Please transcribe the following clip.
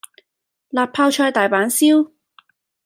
辣泡菜大阪燒